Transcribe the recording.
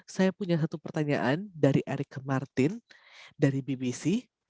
saya punya satu pertanyaan dari erick martin dari bbc